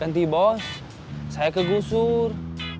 nanti bos saya ke gusur